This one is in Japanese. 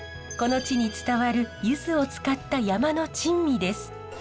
この地に伝わるゆずを使った山の珍味です。